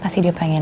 pasti dia pengen